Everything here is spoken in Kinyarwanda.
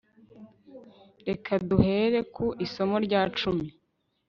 reka duhere ku isomo rya cumi